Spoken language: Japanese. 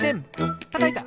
たたいた！